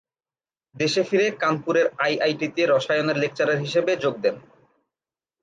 দেশে ফিরে কানপুরের আইআইটি তে রসায়নের লেকচারার হিসাবে যোগ দেন।